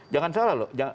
jangan salah loh